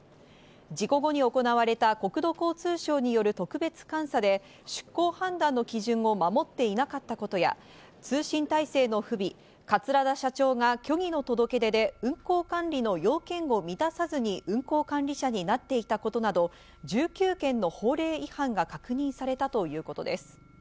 事故後に行われた国土交通省による特別監査で出航判断の基準を守っていなかったことや、通信体制の不備、桂田社長が虚偽の届け出で運航管理の要件を満たさずに運航管理者になっていたことなど、１９件の法令違反が確認されたということです。